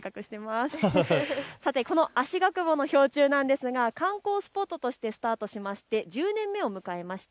さてこのあしがくぼの氷柱なんですか観光スポットとしてスタートしまして１０年目を迎えました。